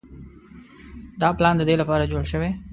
دا پلان د دې لپاره جوړ شوی.